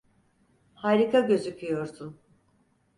Harika gözüküyorsun.